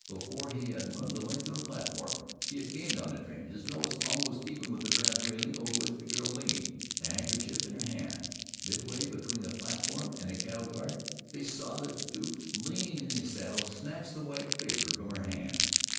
Before he had run the length of the platform he had gained on the train, his nose almost even with the brass railing over which the girl leaned, the handkerchief in her hand. Midway between the platform and the cattle guard they saw the Duke lean in his saddle and snatch the white favor from her hand.